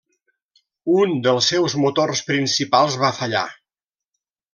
Un dels seus motors principals va fallar.